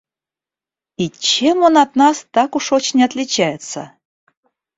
И чем он от нас так уж очень отличается?